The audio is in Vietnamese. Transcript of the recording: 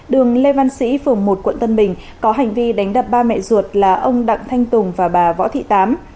đường lê văn sĩ phường một quận tân bình có hành vi đánh đập ba mẹ ruột là ông đặng thanh tùng và bà võ thị tám